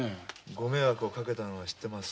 ご迷惑をかけたのは知ってます。